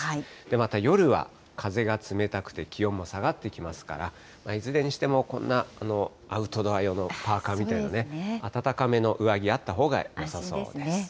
また夜は風が冷たくて、気温も下がってきますから、いずれにしても、こんなアウトドア用のパーカーみたいな、暖かめの上着、あったほうがよさそうです。